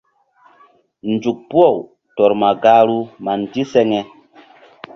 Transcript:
Nzuk puh-aw tɔr ma gahru ma ndiseŋe.